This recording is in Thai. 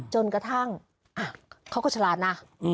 จนกระทั่งเขาก็ฉลาดนะ